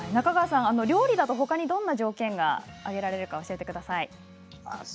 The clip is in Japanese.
料理だとほかにどんな条件が挙げられるか教えてください。